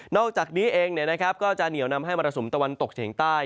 อกจากนี้เองก็จะเหนียวนำให้มรสุมตะวันตกเฉียงใต้